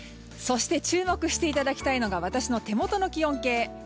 そして注目していただきたいのが私の手元の気温計。